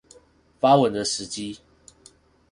發文的時機